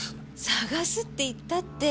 捜すっていったって。